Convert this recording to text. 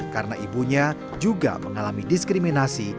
karena ibunya juga mengalami diskriminasi